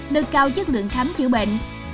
được cao chất lượng khám chữa bệnh